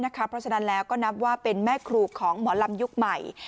เพราะฉะนั้นแล้วก็นับว่าเป็นแม่ครูของหมอลำยุคใหม่